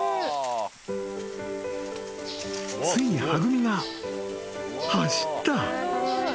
［ついにはぐみが走った］